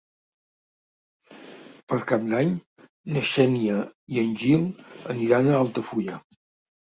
Per Cap d'Any na Xènia i en Gil aniran a Altafulla.